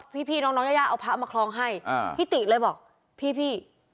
พี่น้องน้องยายาเอาพระมาคลองให้พี่ติเลยบอกพี่พี่